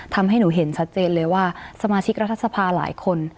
ทำให้หนูเห็นชัดเจนเลยว่าสมาชิกรัฐสภาหลายคน